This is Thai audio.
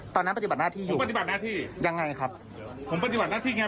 ปฏิบัติหน้าที่อยู่ปฏิบัติหน้าที่ยังไงครับผมปฏิบัติหน้าที่ไง